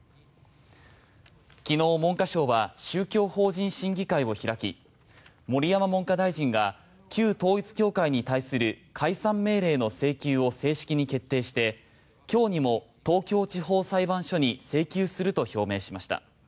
昨日、文科省は宗教法人審議会を開き盛山文科大臣が旧統一教会に対する解散命令の請求を正式に決定して今日にも東京地方裁判所に請求すると表明しました。